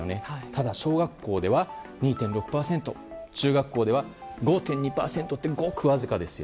ただ、小学校では２．６％、中学校では５．２％とごくわずかです。